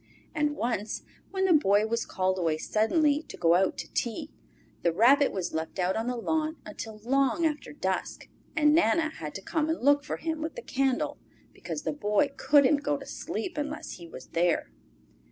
And once, when the Boy was called away suddenly to go out to tea, the Rabbit was left out on the lawn until long after dusk, and Nana had to come and look for him with the candle because the Boy couldn't go to sleep unless he was there.